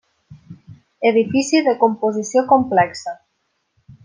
Edifici de composició complexa.